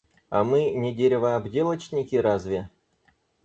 А мы не деревообделочники разве?